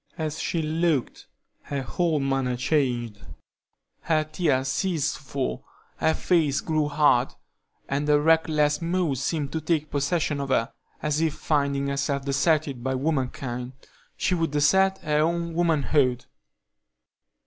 As she looked her whole manner changed; her tears ceased to fall, her face grew hard, and a reckless mood seemed to take possession of her, as if finding herself deserted by womankind, she would desert her own womanhood.